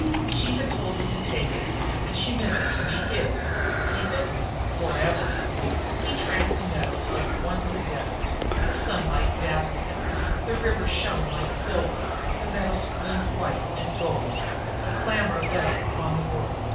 She had told him to take it, and she meant it to be his. Keep it? Forever! He tramped the meadows like one possessed. The sunlight dazzled him; the river shone like silver; the meadows gleamed white and gold. A glamour lay upon the world.